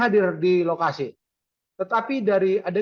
dan terima kasih kebenaran